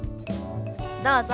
どうぞ。